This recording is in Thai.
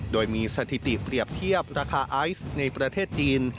โดยมีสถิติเปรียบเทียบราคาไอซ์ในประเทศจีน